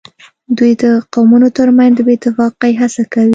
دوی د قومونو ترمنځ د بې اتفاقۍ هڅه کوي